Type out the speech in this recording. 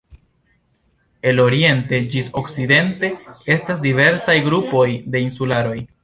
El oriente ĝis okcidente estas diversaj grupoj de insularoj.